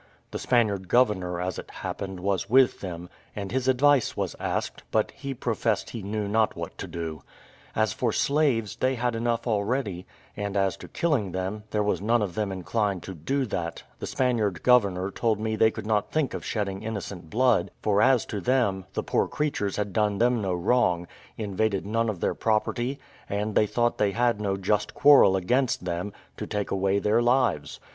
The Spaniard governor, as it happened, was with them, and his advice was asked, but he professed he knew not what to do. As for slaves, they had enough already; and as to killing them, there were none of them inclined to do that: the Spaniard governor told me they could not think of shedding innocent blood; for as to them, the poor creatures had done them no wrong, invaded none of their property, and they thought they had no just quarrel against them, to take away their lives.